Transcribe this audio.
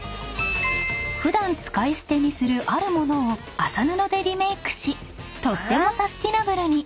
［普段使い捨てにするあるモノを麻布でリメイクしとってもサスティナブルに！